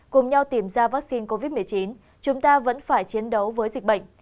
cùng nhau tìm ra vắc xin covid một mươi chín chúng ta vẫn phải chiến đấu với dịch bệnh